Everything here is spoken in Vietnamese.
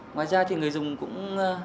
ngoài ra thì người dùng cũng